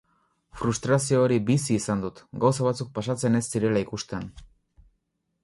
Frustrazio hori bizi izan dut, gauza batzuk pasatzen ez zirela ikustean.